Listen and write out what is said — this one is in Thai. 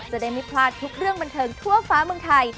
จะได้ไม่พลาดทุกเรื่องบันเทิงทั่วฟ้าเมืองไทย